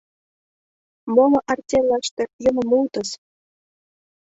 Моло артельлаште йӧным муытыс.